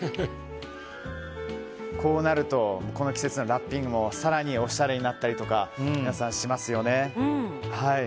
こうなるとこの季節のラッピングも更におしゃれになったりしますよね。